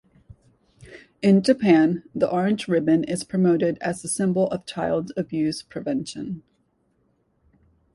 In Japan, the orange ribbon is promoted as a symbol of Child Abuse Prevention.